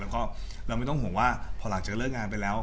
แล้วก็เราไม่ต้องห่วงว่าพอหลังจากเลิกงานไปแล้ว